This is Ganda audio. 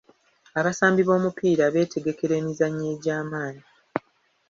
Abasambi b'omupiira beetegekera emizannyo egy'amaanyi.